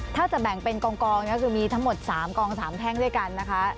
ถ้าจะแบ่งเป็นกองก็คือมีทั้งหมด๓กอง๓แท่งด้วยกันนะคะ